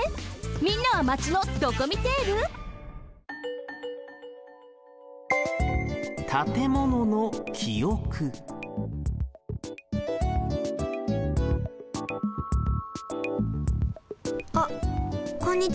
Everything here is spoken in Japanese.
みんなはマチのドコミテール？あっこんにちは。